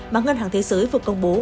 mà ngân hàng thế giới vừa công bố